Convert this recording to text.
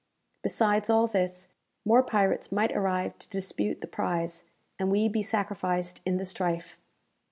Besides all this, more pirates might arrive to dispute the prize, and we be sacrificed in the strife.